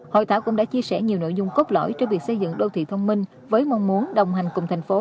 hội thảo cũng đã chia sẻ nhiều nội dung cốt lõi trong việc xây dựng đô thị thông minh với mong muốn đồng hành cùng thành phố